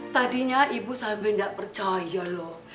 tadinya ibu sampe gak percaya loh